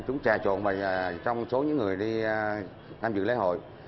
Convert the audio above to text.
chúng trà trộn và trong số những người đi tham dự lễ hội